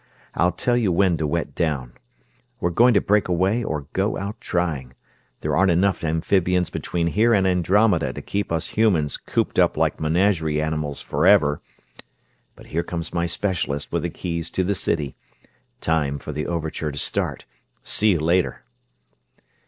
I'll tell you when to wet down. We're going to break away or go out trying there aren't enough amphibians between here and Andromeda to keep us humans cooped up like menagerie animals forever! But here comes my specialist with the keys to the city; time for the overture to start. See you later!"